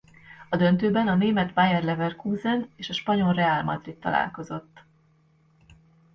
A döntőben a német Bayer Leverkusen és a spanyol Real Madrid találkozott.